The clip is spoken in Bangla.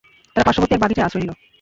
তারা পার্শ্ববর্তী এক বাগিচায় আশ্রয় নিল।